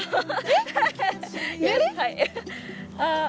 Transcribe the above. はい。